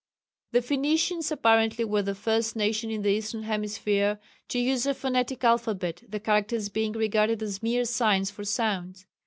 The Phoenicians apparently were the first nation in the Eastern Hemisphere to use a phonetic alphabet, the characters being regarded as mere signs for sounds.